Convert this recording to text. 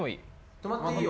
泊まっていいよ。